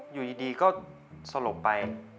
อยู่ดีก็สลบไป